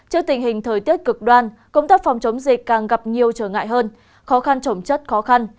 trước tình hình thời tiết cực đoan công tác phòng chống dịch càng gặp nhiều trở ngại hơn khó khăn trồng chất khó khăn